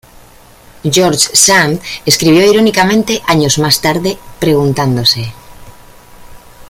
George Sand escribió irónicamente, años más tarde, preguntándose:.